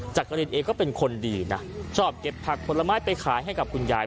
จักรินเองก็เป็นคนดีนะชอบเก็บผักผลไม้ไปขายให้กับคุณยาย